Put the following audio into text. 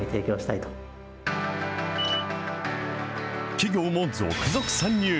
企業も続々参入。